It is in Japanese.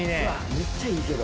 めっちゃいいけど。